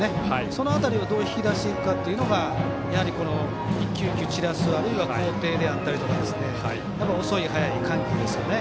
その辺りをどう引き出していくかというのがやはり、この一球一球散らす工程であったりとか遅い速い、緩急ですよね。